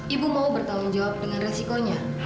ibu mau bertanggung jawab dengan resikonya